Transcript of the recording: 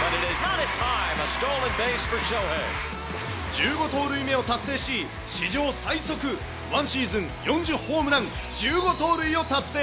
１５盗塁目を達成し、史上最速、１シーズン４０ホームラン１５盗塁を達成。